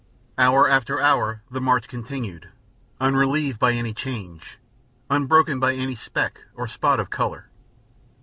Hour after hour the march continued, unrelieved by any change, unbroken by any speck or spot of color.